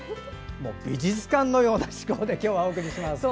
もう美術館のような形で今日はお送りします。